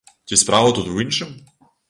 Ці справа тут у іншым?